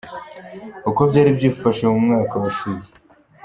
Uko byari byifashe mu mwaka washize:.